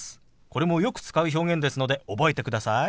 これもよく使う表現ですので覚えてください。